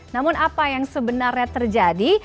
namun apa yang sebenarnya terjadi